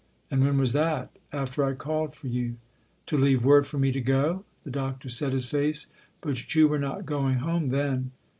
" And when was that ?" "After I called for you." " To leave word for me to go ?" The Doctor set his face. " But you were not going home then."